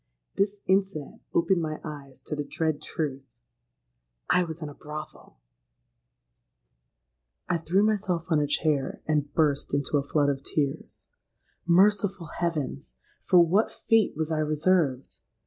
This incident opened my eyes to the dread truth:—I was in a brothel! "I threw myself on a chair and burst into a flood of tears. Merciful heavens! for what fate was I reserved?